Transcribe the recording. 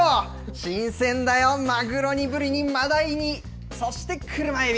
新鮮だよ、マグロにブリに、マダイに、そして車エビ。